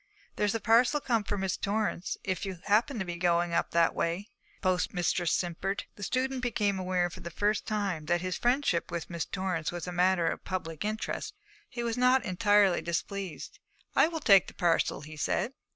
'There's a parcel come for Miss Torrance, if you happen to be going up that way,' the postmistress simpered. The student became aware for the first time that his friendship with Miss Torrance was a matter of public interest. He was not entirely displeased. 'I will take the parcel,' he said.